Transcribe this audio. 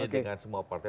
dengan semua partai